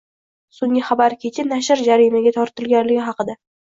So’nggi xabar kecha nashr jarimaga tortilganligi haqida.